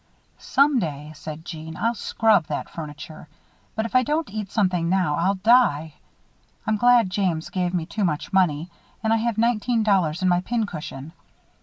"Some day," said Jeanne, "I'll scrub that furniture, but if I don't eat something now I'll die. I'm glad James gave me too much money. And I have nineteen dollars in my pincushion.